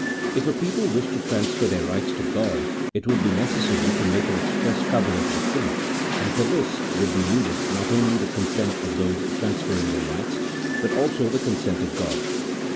If a people wished to transfer their rights to God it would be necessary to make an express covenant with Him, and for this would be needed not only the consent of those transferring their rights, but also the consent of God.